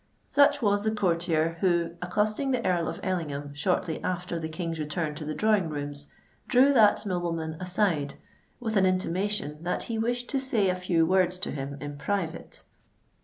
Such was the courtier who, accosting the Earl of Ellingham, shortly after the King's return to the drawing rooms, drew that nobleman aside with an intimation that he wished to say a few words to him in private.